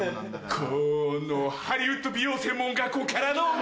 このハリウッド美容専門学校からの